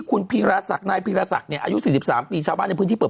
คุณพีรศักดิ์นายพีรศักดิ์เนี่ยอายุ๔๓ปีชาวบ้านในพื้นที่เปิด